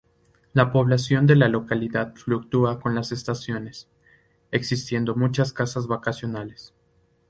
La población de la localidad fluctúa con las estaciones, existiendo muchas casas vacacionales.